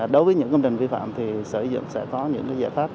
đối với những công trình vi phạm thì sở dụng sẽ có những giải pháp